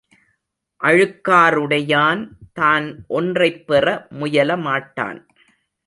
அழுக்காறுடையான், தான் ஒன்றைப்பெற முயல மாட்டான்.